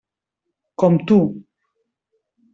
Com tu.